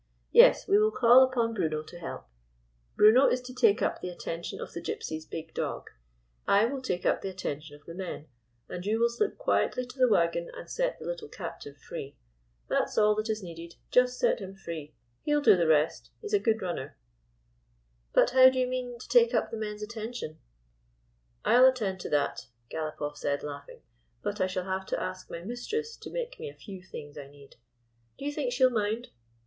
Yes, we will call upon Bruno to help. Bruno is to take up the attention of the Gyp sies* big dog; I will take up the attention of the men, and you will slip quietly to the wagon and set the little captive free. That *s all that is 203 GYPSY, THE TALKING DOG needed — just set him free. He 'll do the rest. He 's a good runner." " But how do you mean to take up the men's attention ?"" I 'll attend to that," GalopofF said, laughing. But I shall have to ask my mistress to make me a few things I need. Do you think she will mind?"